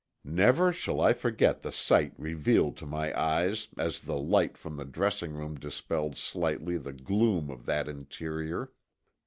Never shall I forget the sight revealed to my eyes as the light from the dressing room dispelled slightly the gloom of that interior.